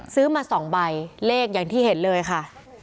ซื้อมา๒ใบเลขอย่างที่เห็นเลยค่ะ